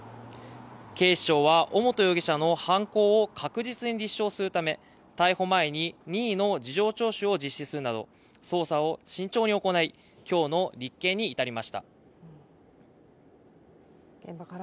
警視庁は尾本容疑者の犯行を確実に立証するため逮捕前に任意の事情聴取を実施するなど捜査を慎重に行い、今日の立件に至りました。